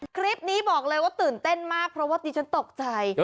คลิปนี้บอกเลยว่าตื่นเต้นมากเพราะว่าดิฉันตกใจ